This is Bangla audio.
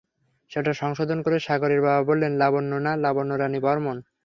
সেটা সংশোধন করে সাগরের বাবা বললেন, লাবণ্য না, লাবণ্য রানী বর্মণ।